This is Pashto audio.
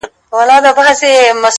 پرون مي ستا په ياد كي شپه رڼه كړه ـ